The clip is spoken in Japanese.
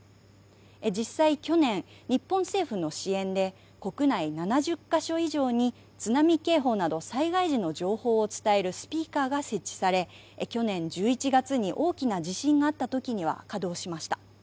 実際、去年日本政府の支援で国内７０か所以上に津波警報など災害時の情報を伝えるスピーカーが設置され去年１１月に大きな地震があった時には稼働しました。